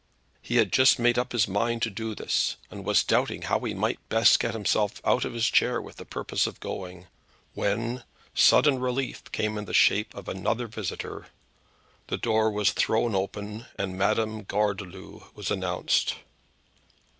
He had just made up his mind to this and was doubting how he might best get himself out of his chair with the purpose of going, when sudden relief came in the shape of another visitor. The door was thrown open and Madam Gordeloup was announced.